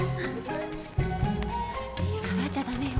触っちゃダメよ。